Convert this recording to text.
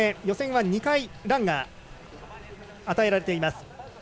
予選は２回ランが与えられています。